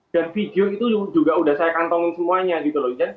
dan video itu juga udah saya kantongin semuanya gitu loh